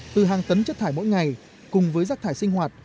từ hàng tấn chất thải mỗi ngày cùng với rác thải sinh hoạt